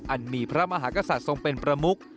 อันมีพระมหากษัตริย์ทรงเป็นประมุก